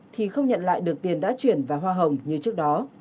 thì không nhận lại được tiền đã chuyển và hoa hồng như trước đó